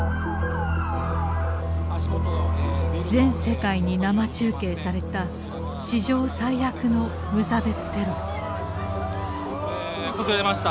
全世界に生中継された史上最悪の「崩れました。